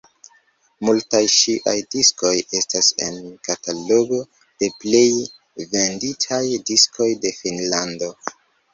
Multaj ŝiaj diskoj estas en katalogo de plej venditaj diskoj de Finnlando.